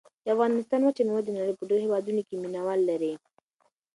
د افغانستان وچه مېوه د نړۍ په ډېرو هېوادونو کې مینه وال لري.